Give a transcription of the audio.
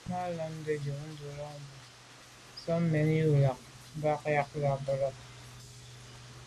Nə̀ là’tə̌ wud, ndʉ̂lαlα mbə̌ nə̀ soŋ mɛ̌n zə̀ ò bə̂ yi lα, bə α̂ ju zə̀ mbὰwəlô kû’ni nə̀ ghʉ̀ mbὰndʉ̌kəlô lα.